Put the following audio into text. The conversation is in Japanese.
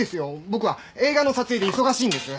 僕は映画の撮影で忙しいんです！